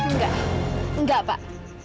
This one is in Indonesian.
enggak enggak pak